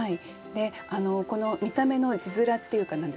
この見た目の字面っていうか何ですかね